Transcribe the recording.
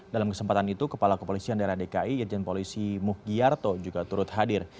dalam kesempatan itu kepala kepolisian daerah dki yerjen polisi muh giarto juga turut hadir